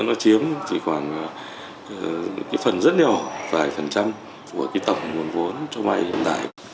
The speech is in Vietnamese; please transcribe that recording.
nó chiếm chỉ khoảng cái phần rất nhiều vài phần trăm của cái tổng nguồn vốn cho vay hiện tại